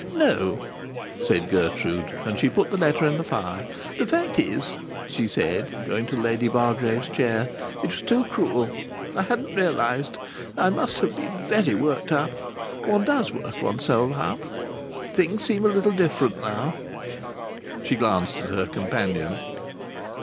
"No," said Gertrude, and she put the letter in the fire. "The fact is," she said, going to Lady Bargrave's chair, "it was too cruel. I hadn't realized.... I must have been very worked up.... One does work oneself up.... Things seem a little different now...." She glanced at her companion.